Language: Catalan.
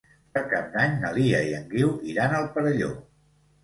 Per Cap d'Any na Lia i en Guiu iran al Perelló.